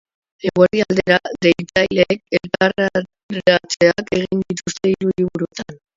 Eguerdi aldera, deitzaileek elkarretaratzeak egin dituzte hiru hiriburuetan.